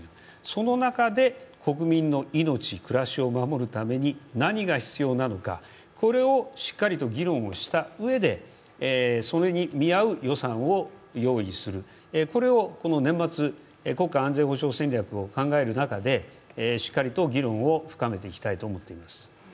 その中で、国民の命、暮らしを守るために何が必要なのかこれをしっかりと議論をしたうえでそれに見合う予算を用意する、これをこの年末、国家安全保障戦略を考える中、しっかりと議論を深めていきたいと思っています。